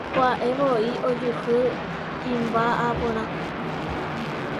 Pya'evoi ojuhu imba'aporã.